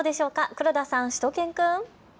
黒田さん、しゅと犬くん。